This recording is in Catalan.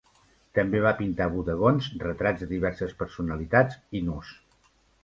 També va pintar bodegons, retrats de diverses personalitats i nus.